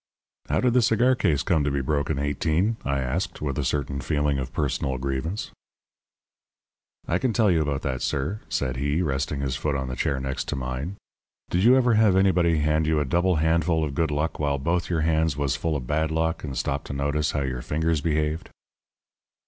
"How did the cigar case come to be broken, Eighteen?" I asked, with a certain feeling of personal grievance. "I can tell you about that, sir," said he, resting his foot on the chair next to mine. "Did you ever have anybody hand you a double handful of good luck while both your hands was full of bad luck, and stop to notice how your fingers behaved?"